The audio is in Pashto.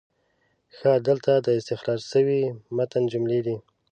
ښه، دلته د استخراج شوي متن جملې دي: